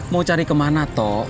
mau cari kemana tok